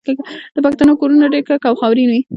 د پښتنو کورونه ډیر کلک او خاورین وي.